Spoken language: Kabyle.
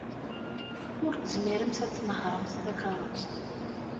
Ur tezmiremt ad tnehṛemt takeṛṛust.